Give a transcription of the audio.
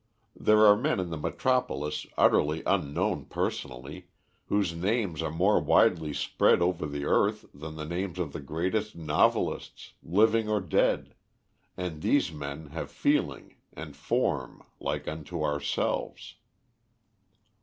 There are men in the metropolis, utterly unknown personally, whose names are more widely spread over the earth than the names of the greatest novelists, living or dead, and these men have feeling and form like unto ourselves.